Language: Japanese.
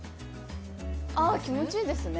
あ気持ちいいですね。